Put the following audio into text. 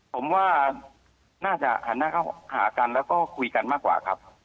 ผมว่าน่าจะหันหน้าเข้าหากันแล้วก็คุยกันมากกว่าครับ